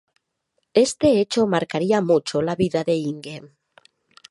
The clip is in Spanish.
Este hecho marcaría mucho la vida de Inge.